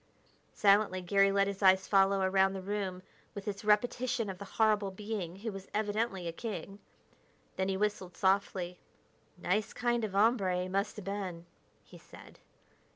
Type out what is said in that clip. Silently, Garry let his eyes follow around the room with its repetition of the horrible being who was evidently a king. Then he whistled softly. "Nice kind of hombre, he must have been," he said.